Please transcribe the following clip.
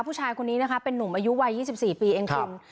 ผู้ชายคนนี้นะคะเป็นนุ่มอายุวัย๒๔ปีเองคุณ